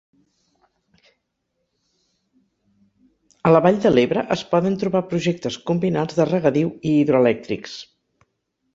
A la vall de l'Ebre es poden trobar projectes combinats de regadiu i hidroelèctrics.